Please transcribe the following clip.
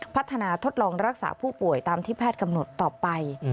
พัฒนาทดลองรักษาผู้ป่วยตามที่แพทย์กำหนดต่อไป